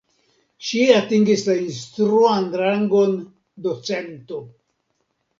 Ŝi atingis la instruan rangon docento.